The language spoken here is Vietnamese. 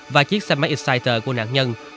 và chiếc xe máy exciter của nạn nhân